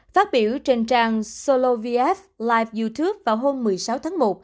phát biểu trên trang solovf live youtube vào hôm nay